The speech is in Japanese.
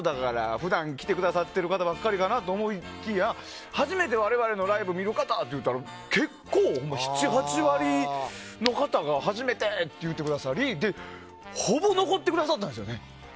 普段来てくださってる方ばっかりなのかなと思ってたら初めて我々のライブを見る方は？って聞いたら７８割の方が初めてって言ってくださりほぼ残ってくださったんですよね。